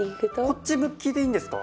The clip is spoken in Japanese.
こっち向きでいいんですか？